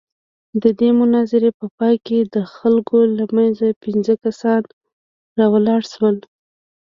د دې مناظرې په پاى کښې د خلقو له منځه پينځه کسان راولاړ سول.